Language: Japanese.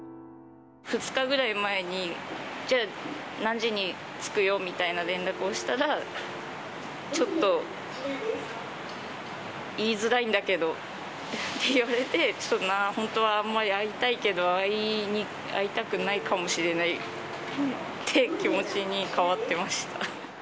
２日ぐらい前に、じゃあ何時に着くよみたいな連絡をしたら、ちょっと言いづらいんだけどって言われて、ちょっと、本当は会いたいけど、会いたくないかもしれないって気持ちに変わってました。